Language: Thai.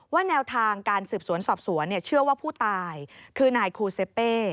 แนวทางการสืบสวนสอบสวนเชื่อว่าผู้ตายคือนายคูเซเป้